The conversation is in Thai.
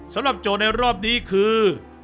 สำหรับโจทย์ในรอบนี้คือ